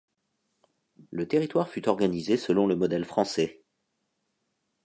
Le territoire fut organisé selon le modèle français.